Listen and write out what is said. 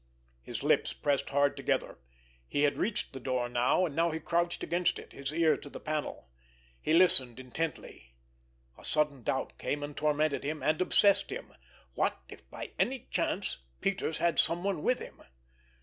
His lips pressed hard together. He had reached the door now, and now he crouched against it, his ear to the panel. He listened intently. A sudden doubt came and tormented him and obsessed him. What, if by any chance Peters had someone with him!